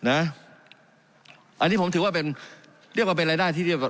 อันนี้ผมถือว่าเป็นเรียกว่าเป็นรายรายที่